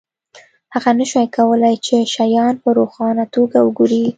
هغه نشوای کولی چې شیان په روښانه توګه وګوري